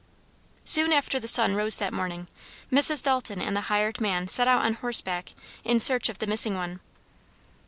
Soon after the sun rose that morning, Mrs. Dalton and the hired man set out on horseback in search of the missing one.